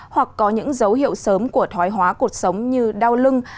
hoặc có những dấu hiệu sớm của thói hóa cuộc sống như đau lưng